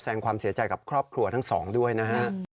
แสดงความเสียใจกับครอบครัวทั้งสองด้วยนะฮะ